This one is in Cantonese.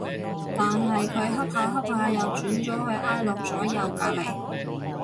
但係佢恰下恰下又轉咗去挨落咗右隔離